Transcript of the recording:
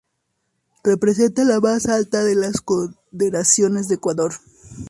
Representa la más alta de las Condecoraciones de Ecuador.